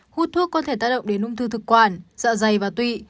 hút thuốc có thể tác động đến ung thư thực quản sợ dày và tụy